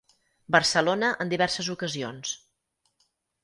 Barcelona en diverses ocasions.